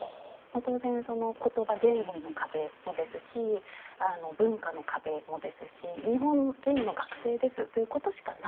当然言葉言語の壁もですし文化の壁もですし日本人の学生ですということしかなかったんですね。